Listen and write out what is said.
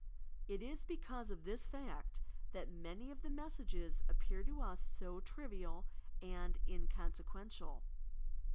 It is because of this fact that many o£ the messages appear to us so trivial and inconsequential.